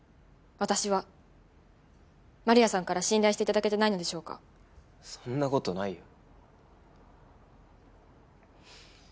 私は丸谷さんから信頼して頂けてないのでしょうか？そんな事ないよ。